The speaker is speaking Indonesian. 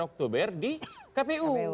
oktober di kpu